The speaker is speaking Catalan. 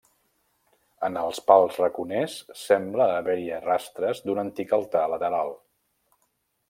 En els pals raconers sembla haver-hi rastres d'un antic altar lateral.